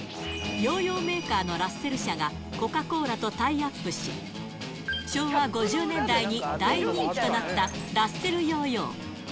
ヨーヨーメーカーのラッセル社が、コカ・コーラとタイアップし、昭和５０年代に大人気となったラッセルヨーヨー。